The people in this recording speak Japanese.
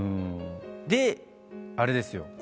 であれですよ。